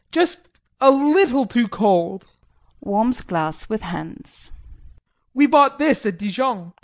Just a little too cold. [Warms glass with hands]. We bought this at Dijon.